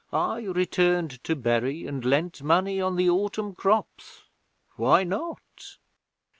I returned to Bury, and lent money on the autumn crops. Why not?'